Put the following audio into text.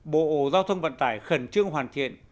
bộ giao thông vận tải khẩn trương hoàn thiện